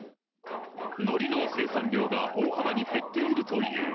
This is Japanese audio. のりの生産量が大幅に減っているという。